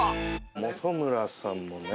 本村さんもね。